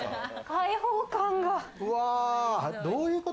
開放感が。